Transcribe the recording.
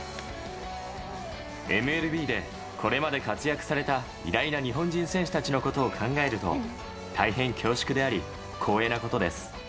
ＭＬＢでこれまで活躍された偉大な日本人選手たちのことを考えると、大変恐縮であり、光栄なことです。